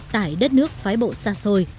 tại đất nước phái bộ xa xôi